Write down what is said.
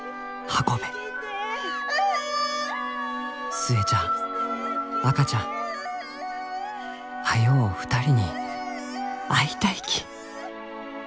「寿恵ちゃん赤ちゃん早う２人に会いたいき」。